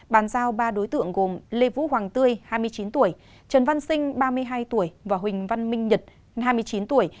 bàn giao ba đối tượng gồm lê vũ hoàng tươi hai mươi chín tuổi trần văn sinh ba mươi hai tuổi và huỳnh văn minh nhật hai mươi chín tuổi